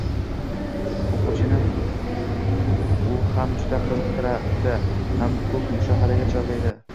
O’quvchini u ham juda qiziqtiradi, ham ko’p mushohadaga chorlaydi.